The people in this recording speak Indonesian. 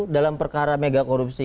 dalam perkara megakorupsi